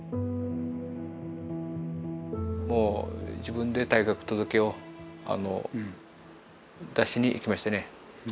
もう自分で退学届を出しにいきましてね。